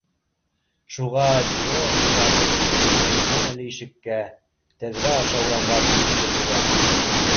Шуға бюро ағзалары борсолоп әленән-әле ишеккә, тәҙрә аша урамға күҙ төшөрә